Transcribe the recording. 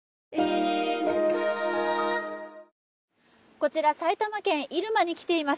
こちら、埼玉県入間に来ています。